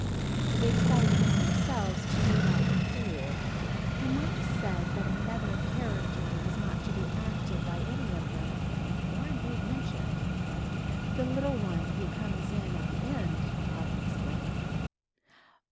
They decided among themselves to leave out the "Fool," and Mamma said that another character was not to be acted by any of them, or indeed mentioned; "the little one who comes in at the end," Robin explained.